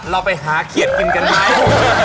เราไปหาเขียดกินกันไหม